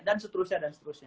dan seterusnya dan seterusnya